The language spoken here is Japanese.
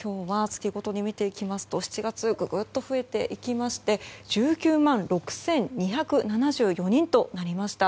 月ごとに見ていきますと７月ググっと増えていきまして１９万６２７４人となりました。